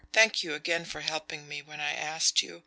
Thank you again for helping me when I asked you....